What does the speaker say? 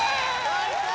最高！